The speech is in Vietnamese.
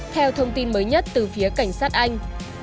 theo thông tin mới nhất từ phía cảnh sát anh